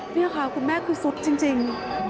นี่ค่ะคุณแม่คือสุดจริง